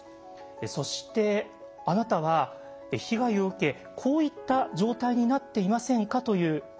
そしてあなたは被害を受けこういった状態になっていませんか？というチェックリストもあります。